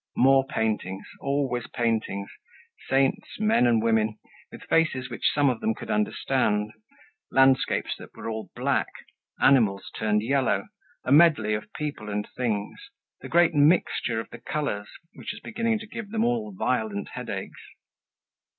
More paintings, always paintings, saints, men and women, with faces which some of them could understand, landscapes that were all black, animals turned yellow, a medley of people and things, the great mixture of the colors of which was beginning to give them all violent headaches.